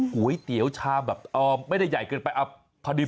ก๋วยเตี๋ยวชามแบบไม่ได้ใหญ่เกินไปพอดี